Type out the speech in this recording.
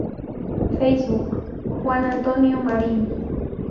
Facebook- Juan Antonio Marín